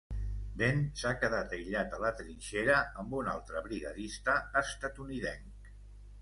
Ben s'ha quedat aïllat a la trinxera amb un altre brigadista estatunidenc.